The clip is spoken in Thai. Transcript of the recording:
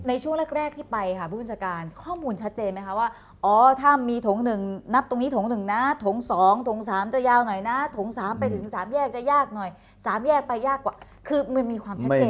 ในช่วงแรกที่ไปค่ะผู้บัญชาการข้อมูลชัดเจนไหมคะว่าอ๋อถ้ามีถง๑นับตรงนี้ถง๑นะถง๒ถง๓จะยาวหน่อยนะถง๓ไปถึง๓แยกจะยากหน่อย๓แยกไปยากกว่าคือมันมีความชัดเจน